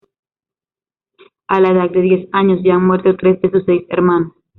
A la edad de diez años ya han muerto tres de sus seis hermanos.